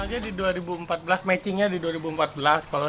kalau saya sendiri waktu itu saya sudah berusaha untuk mencari jalan jalan jalan